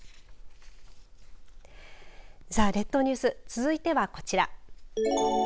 さあ列島ニュース、続いてはこちら。